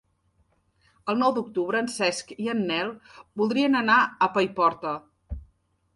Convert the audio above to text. El nou d'octubre en Cesc i en Nel voldrien anar a Paiporta.